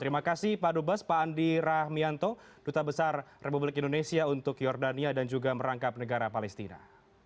terima kasih pak dubes pak andi rahmianto duta besar republik indonesia untuk jordania dan juga merangkap negara palestina